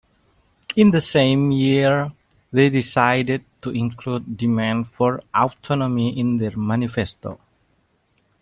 In the same year, they decided to include demands for autonomy in their manifesto.